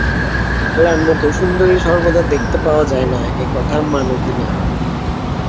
এলার মতো সুন্দরী সর্বদা দেখতে পাওয়া যায় না–এ-কথা মান কি না?